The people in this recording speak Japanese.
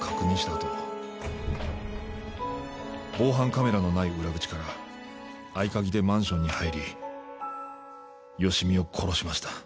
あと防犯カメラのない裏口から合鍵でマンションに入り芳美を殺しました。